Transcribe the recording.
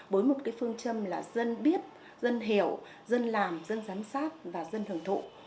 với một phương châm là dân biết dân hiểu dân làm dân giám sát và dân thưởng thụ